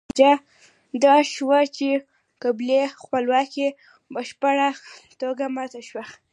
نتیجه دا شوه چې قبایلي خپلواکي په بشپړه توګه ماته شوه.